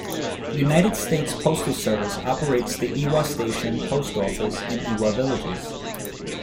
The United States Postal Service operates the Ewa Station Post Office in Ewa Villages.